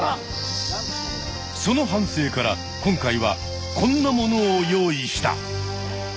その反省から今回はこんなものを用意した。